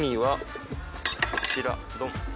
こちらドン。